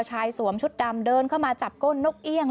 สวมชุดดำเดินเข้ามาจับก้นนกเอี่ยง